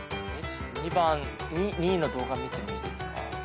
２位の動画見てもいいですか？